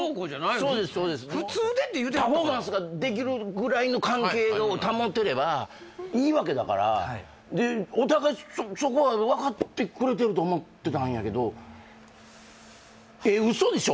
そうです普通でってパフォーマンスができるぐらいの関係を保てればいいわけだからでお互いそこは分かってくれてると思ってたんやけどえっ嘘でしょ！？